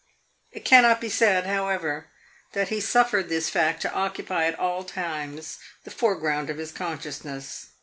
It cannot be said, however, that he suffered this fact to occupy at all times the foreground of his consciousness.